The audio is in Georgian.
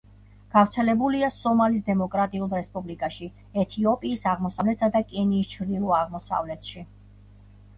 გავრცელებულია სომალის დემოკრატიულ რესპუბლიკაში, ეთიოპიის აღმოსავლეთსა და კენიის ჩრდილო-აღმოსავლეთში.